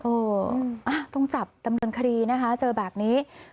โอ้ต้องจับตำรวจคดีนะคะเจอแบบนี้